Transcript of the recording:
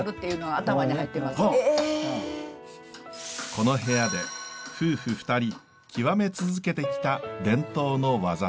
この部屋で夫婦２人極め続けてきた伝統の技です。